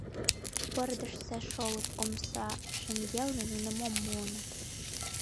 Пырдыжысе шолып омса шеҥгелне нуно мом муыныт